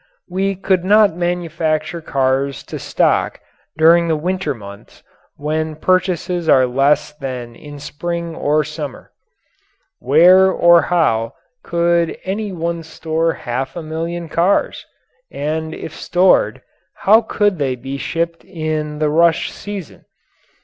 We could not manufacture cars to stock during the winter months when purchases are less than in spring or summer. Where or how could any one store half a million cars? And if stored, how could they be shipped in the rush season?